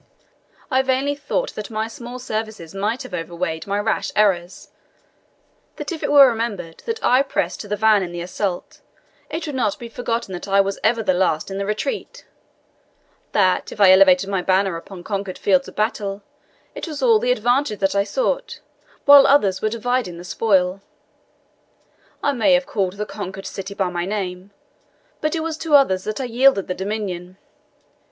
I vainly thought that my small services might have outweighed my rash errors that if it were remembered that I pressed to the van in an assault, it would not be forgotten that I was ever the last in the retreat that, if I elevated my banner upon conquered fields of battle, it was all the advantage that I sought, while others were dividing the spoil. I may have called the conquered city by my name, but it was to others that I yielded the dominion.